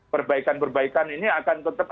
perbaikan perbaikan ini akan tetap